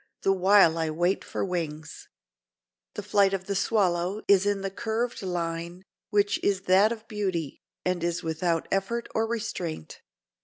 The while I wait for wings." The flight of the swallow is in the curved line, which is that of beauty, and is without effort or restraint.